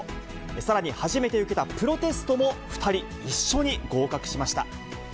さらに初めて受けたプロテストも２人、一緒に合格しました。